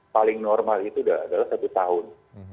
paling normal itu adalah satu tahun